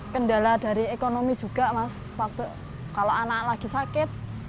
kendala dari ekonomi juga kalau anak lagi sakit